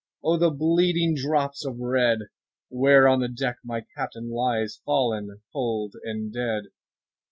5 O the bleeding drops of red! Where on the deck my Captain lies, Fallen cold and dead.